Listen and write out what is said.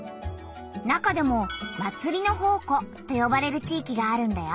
中でも「祭りの宝庫」とよばれる地域があるんだよ。